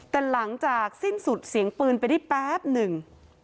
แต่หลังจากสิ้นสุดเสียงปืนไปได้แป๊บหนึ่ง